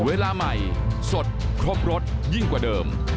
เวลาใหม่สดครบรสยิ่งกว่าเดิม